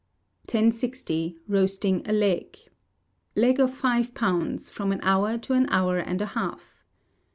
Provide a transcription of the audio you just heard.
] 1060. Roasting a Leg. Leg of five pounds, from an hour to an hour and a half.